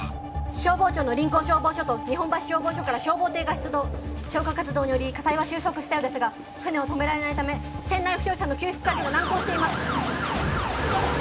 消防庁の臨港消防署と日本橋消防署から消防艇が出動消火活動により火災は終息したようですが船を止められないため船内負傷者の救出作業が難航しています